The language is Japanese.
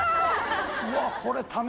うわっこれ。